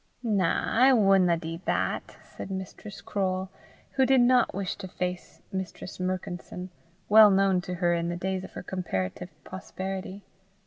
"Na, I wunna dee that," said Mistress Croale, who did not wish to face Mistress Murkison, well known to her in the days of her comparative prosperity.